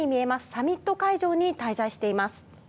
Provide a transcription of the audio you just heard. サミット会場に滞在しています。